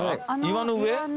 岩の上？